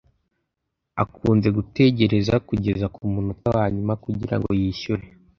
Akunze gutegereza kugeza kumunota wanyuma kugirango yishyure.